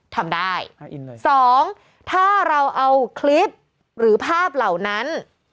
ทำได้สองถ้าเราเอาคลิปหรือภาพเหล่านั้น